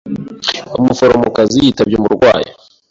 Umuforomokazi yitabye umurwayi.